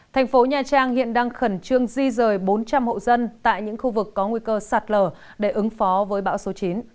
thành phố nha trang hiện đang khẩn trương di rời bốn trăm linh hộ dân tại những khu vực có nguy cơ sạt lở để ứng phó với bão số chín